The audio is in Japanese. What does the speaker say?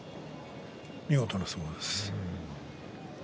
見事な相撲です。